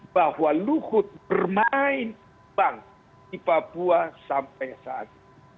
bahwa lukut bermain bank di papua sampai saat